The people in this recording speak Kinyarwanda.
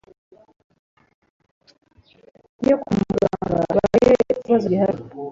tujye kwa muganga barebe ikibazo gihari